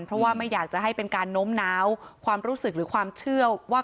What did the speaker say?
เพราะว่าไม่อยากจะให้เป็นการโน้มน้าวความรู้สึกหรือความเชื่อว่า